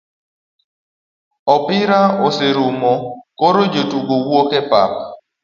Opira oserumo koro jotugo wuok e pap